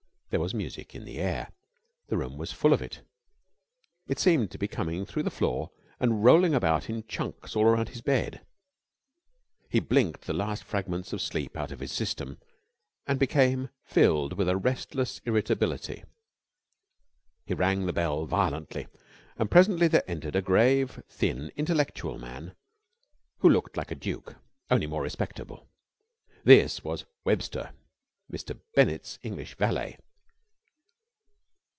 There was music in the air. The room was full of it. It seemed to be coming up through the floor and rolling about in chunks all round his bed. He blinked the last fragments of sleep out of his system, and became filled with a restless irritability. He rang the bell violently, and presently there entered a grave, thin, intellectual man who looked like a duke, only more respectable. This was Webster, Mr. Bennett's English valet.